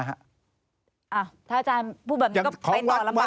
อ้าวถ้าอาจารย์พูดแบบนี้ก็เป็นต่อลำบากแล้ว